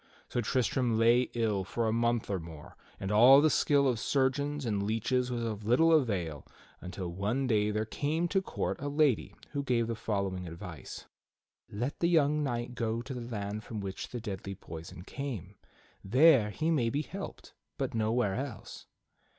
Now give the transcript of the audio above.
So Tristram lay ill for a month or more, and all the skill of surgeons and leeches was of little avail until one day there came to court a lady who gave the following advice: "Let the young knight go to the land from which the deadly poison came. There he may be helped, but nowhere else."